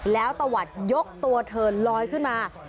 แล้วตะวัดยกตัวเธอลอยขึ้นมา